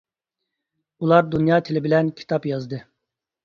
ئۇلار دۇنيا تىلى بىلەن كىتاب يازدى.